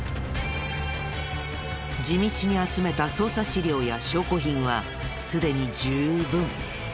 地道に集めた捜査資料や証拠品はすでに十分。